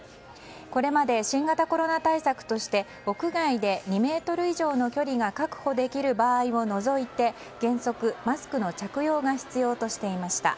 これまで新型コロナ対策として屋外で２ｍ以上の距離が確保できる場合を除いて原則マスクの着用が必要としていました。